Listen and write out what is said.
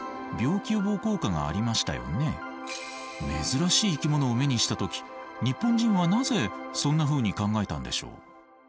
珍しい生き物を目にした時日本人はなぜそんなふうに考えたんでしょう？